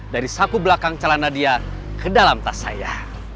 dari saku belakang calon nadia ke dalam tas saya